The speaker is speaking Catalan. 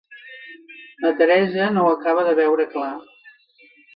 La Teresa no ho acaba de veure clar.